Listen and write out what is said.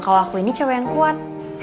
kalau aku ini cewek yang kuat